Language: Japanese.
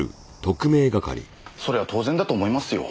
それは当然だと思いますよ。